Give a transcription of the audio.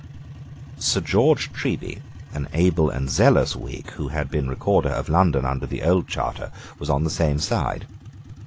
Sir George Treby, an able and zealous Whig, who had been Recorder of London under the old charter, was on the same side.